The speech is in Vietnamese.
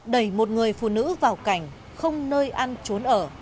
đẩy một người phụ nữ vào cảnh không nơi ăn trốn ở